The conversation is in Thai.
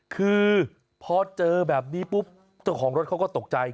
คือพอเจอแบบนี้ปุ๊บเจ้าของรถเขาก็ตกใจ